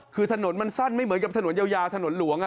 คือถนนมันสั้นไม่เหมือนกับถนนยาวถนนหลวง